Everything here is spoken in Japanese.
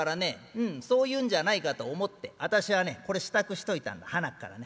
うんそう言うんじゃないかと思ってあたしはねこれ支度しといたんだはなからね。